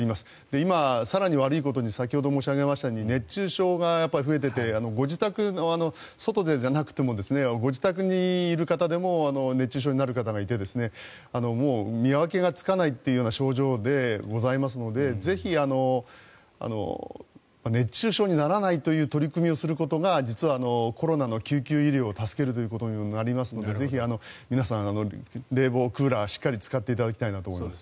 今、更に悪いことに先ほど申し上げましたように熱中症が増えていてご自宅の外じゃなくてもご自宅にいる方でも熱中症になる方がいてもう見分けがつかないっていう症状でございますのでぜひ、熱中症にならないという取り組みをすることが実はコロナの救急医療を助けることにもなりますのでぜひ、皆さん冷房、クーラーしっかり使っていただきたいなと思います。